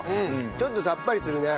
ちょっとさっぱりするね。